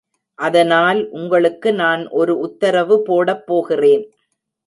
அதனால் உங்களுக்கு நான் ஒரு உத்தரவு போடப்போகிறேன்.